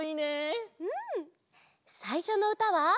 さいしょのうたは。